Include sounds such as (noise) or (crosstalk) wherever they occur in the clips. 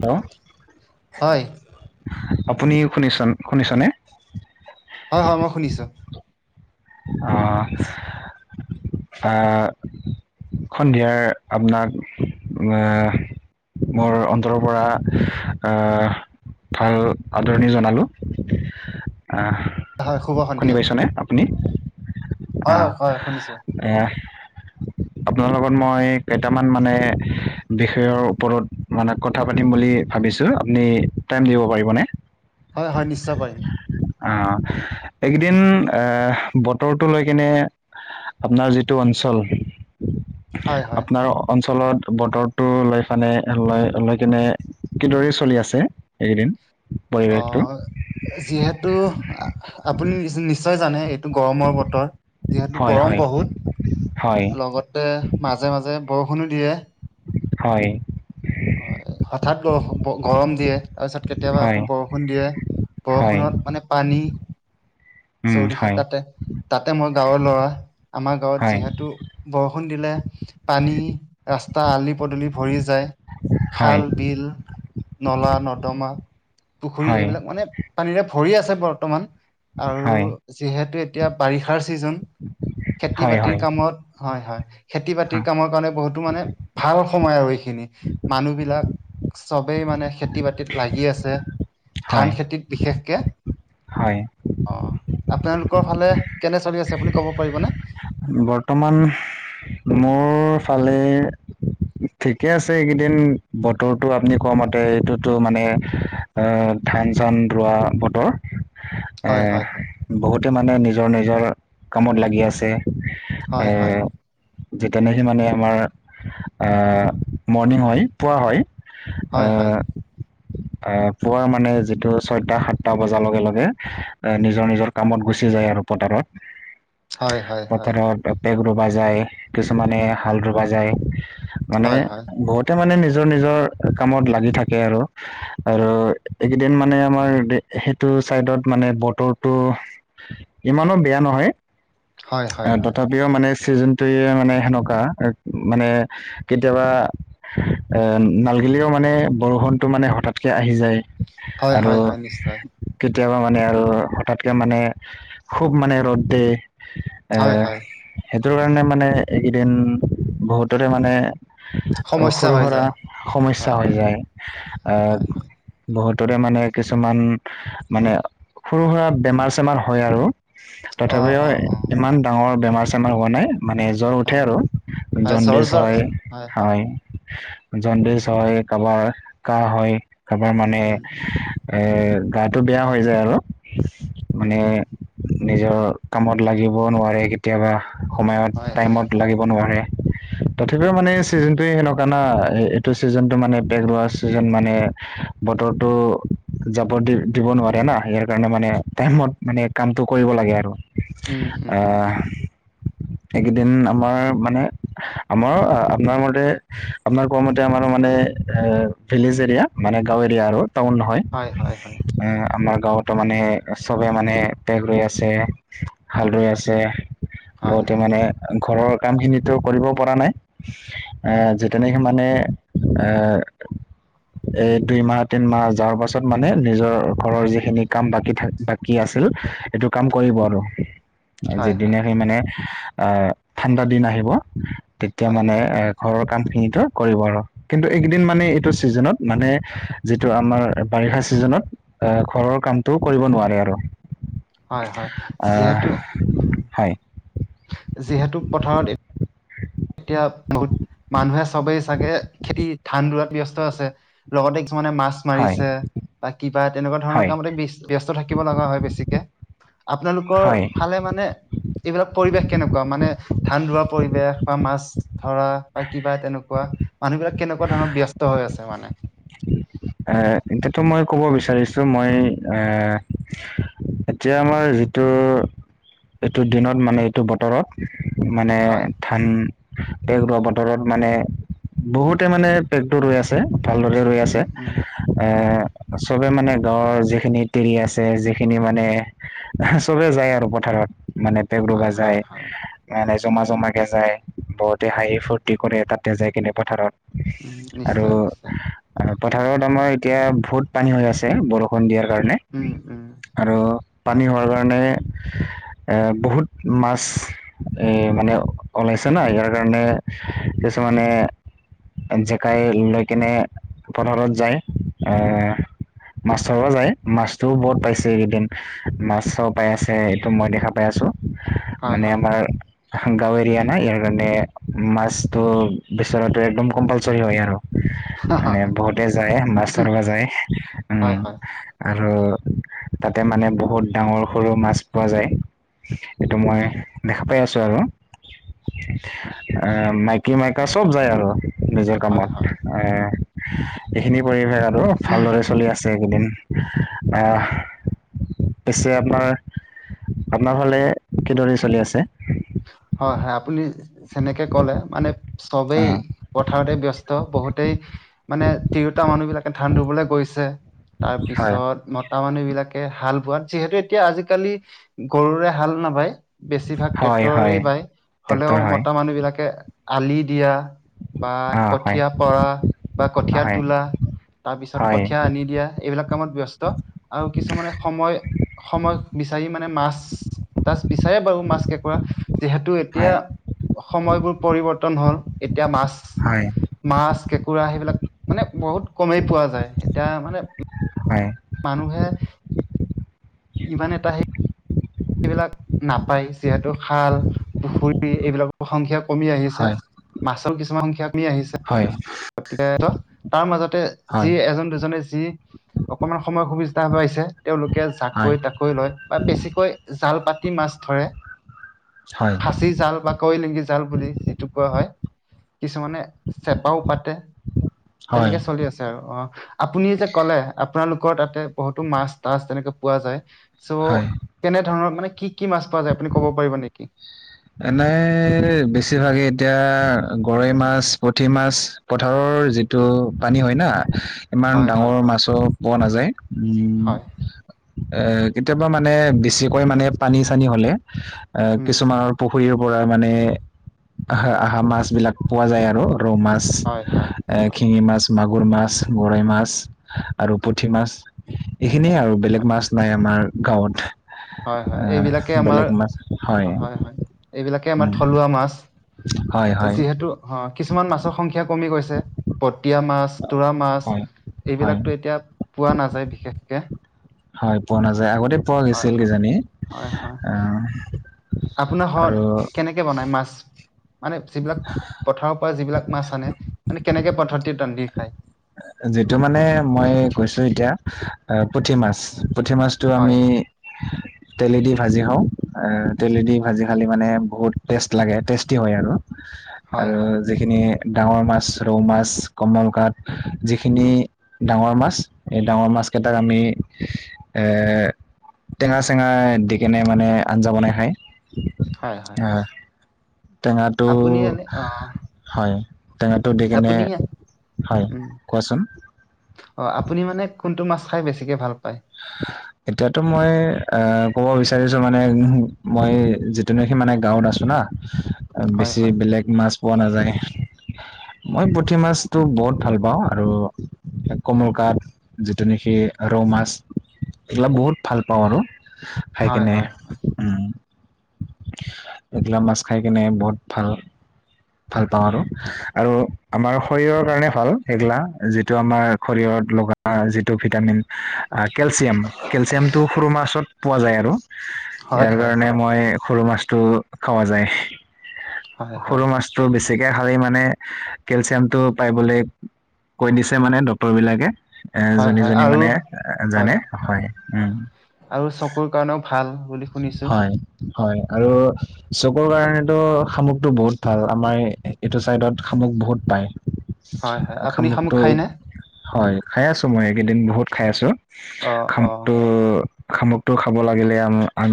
Hello হয়, আপুনি শুনিছ শুনিছনে? হয় হয় মই শুনিছো। অহ আ সন্ধিয়াৰ আপোনাক বা মোৰ অন্তৰৰ পৰা আহ ভাল আদৰণি জনালোঁ। আঁহ হয়, শুভ শুনি সন্ধিয়া। পাইছনে আপুনি? অ। হয়, হয়, হয়, শুনিছোঁ। এয়া আপোনাৰ লগত মই কেইটামান মানে বিষয়ৰ ওপৰত মানে কথা পাতিম বুলি ভাবিছো ভাবিছোঁ আপুনি টাইম দিব পাৰিব নে? হয় হয় নিশ্চয় পাৰিম। অ', এইকেইদিন অ' বতৰটো লৈ কিনে আপোনাৰ যিটো অঞ্চল হয়, হয়। আপোনাৰ অঞ্চল তলত বতৰটো লৈ পানে লৈ লৈ কেনে কিদৰে চলি আছে, এইকেইদিন? পৰিৱেশটো অ' যিহেতু আপুনি নিশ্চয় জানে গৰমৰ বতৰ যিহেতু হয় গৰম হয় হয় বহুত। লগতে মাজে মাজে বৰষুণো দিয়ে। হয়। হয় হঠাৎ বৰ্ষ গৰম দিয়ে। তাৰপিছত কেতিয়াবা হয় আকৌ বৰষুণ দিয়ে, হয় বৰষুণত মানে পানী উম চৌদিশে হয় তাতে। তাতে মই গাঁৱৰ ল'ৰা, আমাৰ গাঁৱত হয় যিহেতু বৰষুণ দিলে পানী ৰাস্ত ৰাস্তা আলি পদূলি ভৰি যায়, হয় খাল, বিল, নলা, নৰ্দমা পুখুৰী হয় এইবিলাক মানে পানীৰে ভৰি আছে বৰ্তমান। আৰু হয় যিহেতু এতিয়া বাৰিষাৰ ছিজন। খেতি বাতিৰ হয় হয় কামত হয় হয়। খেতি বাতিৰ কামৰ কাৰণে বহুতো মানে ভাল সময় আৰু এইখিনি। মানুহ বিলাক সবেই মানে খেতি বাতিত লাগি আছে। হয় ধান খেতিত বিশেষকে। হয়। অ আপোনালোকৰ ফালে কেনে চলি আছে আপুনি ক'ব পাৰিবনে? বৰ্তমান মোৰ ফালে ঠিকে আছে এইকেইদিন বতৰটো আপুনি কোৱা মতে এইটোতো মানে অ ধান চান ৰোৱা বতৰ। এ হয় হয় হয় বহুতে মানে নিজৰ নিজৰ কামত লাগি আছে। হয় হয় অহ। যে তেনে মানুহৰ অ' মৰ্ণিং হয়, পোৱা হয়। হয় অ'। অ, পুৱাৰ মানে যিটো ছয়টা সাতটা বজাৰ লগে লগে, নিজৰ নিজৰ কামত গুচি যায় আৰু পথাৰত। হয় হয় হয় হয় পথাৰত পেগ ৰুবা যায়, কিছুমানে হাল ৰুবা যায়। মানে, হয় হয় বহুতে মানে নিজ নিজৰ কামত লাগি থাকে আৰু, আৰু এইকেইদিন মানে মই সেইটো এই চাইদত মানে বতৰটো, ইমানো বেয়া নহয়। হয় হয় অ' হয় তথাপিও মানে চিজনটোৱে মানে সেনেকুৱা মানে কেতিয়াবা এই নাল গিলিও মানে, বৰষুণতটো মানে হঠাৎ কে আহি যায়। হয়, আৰু হয়, হয়, নিশ্চয়। কেতিয়াবা মানে আৰু হঠাৎকে মানে, খুব মানে ৰ'দ দিয়ে। হয়, হয়। সেইটো কাৰণে মানে এইকেইদিন, বহুততে মানে সমস্যা সৰু হৈ সুৰা যায় সমস্যা হয় হয় হৈ যায়, অ, হয় হয় বহুত ততে মানে কিছুমান, মানে সৰু সুৰা বেমাৰ চেমাৰ হয় আৰু। অ তথাপিও অ অ ইমান ডাঙৰ বেমাৰ চেমাৰ হোৱা নাই মানে জ্বৰ অ উঠে আৰু হয় জৰ জণ্ডিছ জৰ হয়, হয়, জণ্ডিছ হৈ কাৰোবাৰ কাহ হৈ কাৰোবাৰ মানে উম উম উম এই গাতো বেয়া হৈ যায় আৰু মানে উম। নিজৰ কামত লাগিব নোৱাৰে কেতিয়াবা সময়ত হয় হয় টাইমত লাগিব নোৱাৰে। তথাপিও মানে ছিজনটোৱে সেনেকুৱা ন এইটো ছিজনটো মানে বেগ লোৱা ছিজন মানে বতৰটো যাব দি দিব নোৱাৰে না, হেয়া কাৰণে মানে টাইমত মানে কামটো কৰিব লাগে আৰু। উম, উম, উম। আহ এইকেইদিন আমাৰ মানে আমাৰ আপোনাৰ মতে, আ‌পোনাৰ কোৱা মতে আমাৰো মানে এই ভিলেজ এৰিয়া মানে গাঁৱ এৰিয়া আৰু। টাউন হয়। হয় হয় এ, আমাৰ গাঁৱত মানে চবে মানে বেগ ৰৈ আছে। হালদৈ আছে, হয় বহুতে হয় মানে ঘৰৰ কাম খিনিতো কৰিব পৰা নাই, এ যেতিয়ানখে মানে এ, এই দুই মাহ তিন মাহ যোৱাৰ পাছত মানে, নিজৰ ঘৰৰ যিখিনি কাম বাকী থাকে বাকী আছে ই, এইটো কাম কৰিব আৰু। যি হয় হয় দিনা খন মানে অ', ঠাণ্ডা দিন আহিব, তেতিয়া হয় মানে হয় এ ঘৰত কাম খিনিতো কৰিব আৰু কিন্তু, এই কেইদিন মানে এইটো চিজনত মানে যিটো আমাৰ বাৰিষা চিজনত অ‌, ঘৰৰ কামটো কৰিব নোৱাৰে আৰু। হয়, হয়, আহ যিহেতু উম, হয় যিহেতু পথাৰত এত এতিয়া, বহুত মানুহে চবেই চাগে খেতি ধান ৰুৱাত‌ ব্যস্ত আছে, লগতে কিছু মানে মাছ হয় মাৰিছে বা কিবা তেনেকুৱা ধৰণৰ হয় কামতে‌ বেছি ব্যস্ত থাকিব লগা হয় বেছিকে। আপোনালোকৰ হয় ফালে মানে, কিবা পৰিৱেশ কেনেকুৱা? মানে ধান ৰুৱা পৰিৱেশ। বা মাছ ধৰা, বা কিবা তেনেকুৱা, মানুহবিলাক কেনেকুৱা ধৰণৰ ব্যস্ত হৈ আছে মানে। এ, এতিয়া তোমাক ক'ব বিচাৰিছোঁ মই এ, এতিয়া আমাৰ যিটো, এইটো দিনত মানে এইটো বতৰত মানে হয় ধান পেক ৰোৱা বতৰত মানে বহুতে মানে পেকটো ৰুই আছে ভালদৰে ৰুই আছে। উম উম এ, উম চবে মানে গাঁৱৰ যিখিনি তিৰি আছে যিখিনি মানে চবে যায় আৰু পথাৰত। মানে পেগ ৰুবা হয় যাই হয় হয় মানে জমা জমা কে যায়, বহুতে হাঁহি ফূৰ্তি কৰে তাতে যায় কিনে পথাৰত। উম, আৰু নিশ্চয় নিশ্চয়। পথাৰত আমাৰ এতিয়া বহুত পানী হৈ আছে বৰষুণ দিয়াৰ কাৰণে উম উম আৰু পানী হোৱাৰ কাৰণে বহুত মাছ মানে ওলাইছে। ন' ইয়াৰ কাৰণে কিছুমানে জেকাই লৈ কিনে পথাৰত যায়। মাছৰ যায় মাছটো বহুত পাইছে এইকেইদিন, মাছ ও পাই আছে এইটো মই দেখা পাই আছোঁ। হয় মানে হয় আমাৰ গাঁও এৰিয়া নাই ইয়াৰ কাৰণে মাছটো বিচৰাটো একদম কম্পালচৰি হয় আৰু। মানে বহুতে যায় মাছ ধৰবা যায় উম, হয় হয় আৰু তাতে মানে বহুত ডাঙৰ সৰু মাছ পোৱা যায়। এইটো মই দেখা পাই আছোঁ আৰু। আ, মাইকী মাইকা চব যায় আৰু। নিজৰ হয় কামত হয় এইখিনি পৰিৱেশ আৰু ভালদৰে চলি আছে এইকেইদিন আহ পিছে আপোনাৰ আপোনাৰ ফালে কিদৰে চলি আছে। হয়, হয়, আপুনি যেনেকে ক'লে মানে অ চবেই পথাৰতে ব্যস্ত বহুত হেই মানে তিৰোতা মানুহ বিলাকে ধান ৰুবলৈ গৈছে তাৰ হয় পিছত মতা মানুহ বিলাক বিলাকে হাল বোৱাত যিহেতু এতিয়া আজিকালি গৰুৰে হাল নাবায়। বেছিভাগ হয় ট্ৰেক্টৰেৰে হয় বায় হ'লেও ট্ৰেক্টৰ হয় মতা মানুহবলাকে আলি দিয়া বা অ হয় কঠীয়া পৰা বা কঠীয়া হয় তোলা তাৰপিছত হয় হয় কঠিয়া আনি দিয়া এইবিলাক কামত ব্যস্ত আৰু কিছুমানে সময় সময় বিচাৰি মানে মাছ তাছ বিচাৰে বাৰু মাছ কেকোৰা। যিহেতু এতিয়া সময়বোৰ পৰিৱৰ্তন হল এতিয়া মাছ হয়। মাছ কেঁকোৰা সেইবিলাক মানে বহুত কমেই পোৱা যায়, এতিয়া মানে মানুহে ইমান এটাহে এইবিলাক নাপায় যিহেতু খাল, পুখুৰী এইবিলাকৰ সংখ্যক কমি আহিছে হয় হয় মাছৰ কিছুমান সংখ্যা কমি আহিছে। হয় গতিকে ত তাৰ মাজতে যি এজন দুজনে যি অকমান সময় সুবিধা তাৰ পাইছে তেওঁলোকে জাকৈ তাকৈ লয় বা বেছিকৈ জাল পাতি মাছ ধৰে ফাঁচি জাল বা কৈ লিংগি জাল বুলি যিটো কোৱা হয়। কিছুমানে চেপাও পাতে হয় হয় তেনেকে চলি আছে আৰু অ আপুনি যে ক'লে আপোনালোকৰ তাতে বহুতো মাছ তাছ তেনেকে পোৱা যায় হয় চ' ধৰ মানে কি কি মাছ পোৱা যূ আপুনি ক'ব পাৰ নেকি? এনেই বেছিভাগেই এতিয়া গৰৈ মাছ, পুঠি মাছ পথাৰৰ যিটো পানী হয় না ইমান হয় হয় ডাঙৰ হয় মাছো পোৱা নাযায় উম। হয় এ কেতিয়াবা মানে বেছিকৈ মানে পানী চানী হ'লে এ উম কিছুমানৰ পুখুৰীৰ পৰা মানে আহ আহা মাছ বিলাক পোৱা যায় আৰু ৰৌ মাছ, হয় হয় হয় শিঙি মাছ, মাগু কুৰ মাছ, গৰৈ মাছ আৰু পুঠি মাছ। এইখিনিয়ে আৰু বেলেগ হয় মাছ নাই আমাৰ গাঁৱত হয় হয় এইবিলাকে আহ আমাৰ বেলেগ মাছ হয়, হয়। এইবিলাকে আমাৰ উম, থলুৱা মাছ হয়, হয়, যিহেতু অ কিছুমান মাছৰ সংখ্যা কমি গৈছে পতিয়া মাছ, তোৰা মাছ। হয়, হয়। এইবিলাকতো এতিয়া পোৱা নাযায় বিশেষকে। হয় পোৱা নাযায়, আগতে পোৱা হয় গৈছিল হয় কিজানি হয় হয় আহ আপোনাৰ ঘৰত আৰু কেনেকে বনাই মাছ মানে যিবিলাক পথাৰৰ পৰা যিবিলাক মাছ আনে মানে কেনেকে পদ্ধাৰতি ৰান্ধি খায়। যিটো মানে মই কৈছো এতিয়া পুঠি মাছ পুঠি মাছটো হয়, আমি তেলে দি ভাজি খাওঁ, তেলে দি ভাজি খালি মানে বহুত টেষ্ট লাগে, টেষ্টি হয় আৰু হয়, আৰু হয়, যিখিনি ডাঙৰ মাছ ৰৌ মাছ, কমন কাত যিখিনি ডাঙৰ মাছ এই ডাঙৰ মাছকেইটাক আমি টেঙা চেঙা দি কেনে মানে আঞ্জা বনাই খায়। হয়, হয়। আহ টেঙাটো আপুনি এনে অ' হয়। টেঙাটো দি কেনে আপুনি হয়, উম, কোৱাচোন অ' আপুনি মানে কোনটো মাছ খাই বেছিকে ভাল পায়। (unintelligible) এতিয়াতো মই আহ ক'ব বিচাৰিছো মানে উ মই যিটো ন সি মানে গাঁৱত আছো না হয়, বেছি হয়, বেলেগ মাছ পোৱা নাযায়। মই পুঠি মাছতটো বহুত ভাল পাওঁ আৰু কমল কাপ যিটো নেকি ৰৌ মাছ এইবিলাক বহুত ভাল পাওঁ আৰু খাই হয়, কেনে হয়, উম এইগিলা মাছ খাই কেনে বহুত ভাল ভাল পাওঁ আৰু আৰু আমাৰ শৰীৰৰ কাৰণে ভাল সেইগিলা যিটো আমাৰ শৰীৰৰ লগা যিটো ভিটামিন কেলচিয়াম কেলচিয়ামটো সৰু মাছত পোৱা যায় আৰু হয়, ইয়াৰ হয়, হয়, কাৰণে মই সৰু মাছতটো খোৱা যায় হয়, হয়, সৰু মাছতটো বেছি গতিকে খালি মানে কেলচিয়াম টো পাইবলৈ কৈ দিছে মানে ডক্তৰ বিলাকে। এ হয়, যোনী হয় যোনী আৰু মানে জানে হয়, উম হয়, আৰু চকুৰ কাৰণেও ভাল বুলি শুনিছো। হয় হয় আৰু চকুৰ কাৰণেতটো শামুকটো বহুত ভাল আমাৰ এইটো চাইডত শামুক বহুত পায় হয়, হয়, আপুনি শামুক খামগটো খায়নে? হয় খাই আছো। মই এইকেইদিন বহুত খাই আছো, অ', অ', খামোকটো খামুকটো খাব লাগিলে আমি আ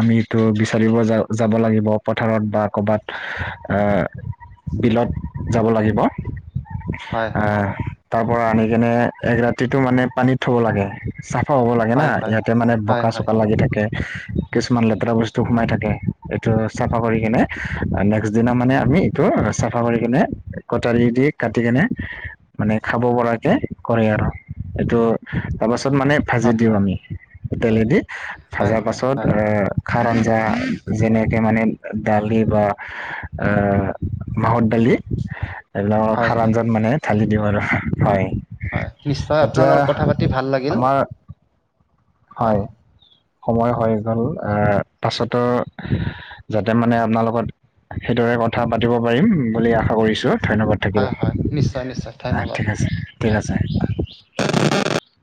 আমিতো বিচাৰিব য যাব লাগিব পথাৰত বা ক'ৰবাত বিলত যাব লাগিব। হয় হয় আহ হয়। তাৰ পৰা আনি কেনে এক ৰাতিতটো মানে পানীত থব লাগে চাফা হ'ব লাগে না হয়, হয়, ইয়াতে মানে হয়, বোকা হয়, চোকা লাগি থাকে কিছুমান লেতেৰা বস্তু সোমাই থাকে এইটো চাফা কৰি কিনে নেক্সট দিনা মানে আমি এইটো চাফা কৰি কেনে কটাৰী দি কাটি কেনে মানে খাব পৰাকে কৰে আৰু এইটো তাৰপাছ তাৰ পাছত মানে ভাজি হয়, দিওঁ আমি হয়, তেলেদি হয় হয় ত হয়। (unintelligible) খাৰ আঞ্জা যেনেকে মানে দালি বা আহ মাহৰ দালি এইবিলৰ হয় খাৰ হয় আঞ্জাত মানে থালি দিওঁ আৰু হয়। হয় নিশ্চয় এতিয়া আপোনালৰ কথা পাতি ভাল লাগিল। আমাৰ হয়। সময় হৈ গ'ল আহ পাছতো যাতে মানে আপোনা লগত সেইদৰে কথা পাতিব পাৰিম বুলি আশা কৰিছো ধন্যবাদ থাকিল হয় হয় নিশ্চয় নিশ্চয় অ ধন্যবাদ ঠিক আছে ঠিক আছে অঁ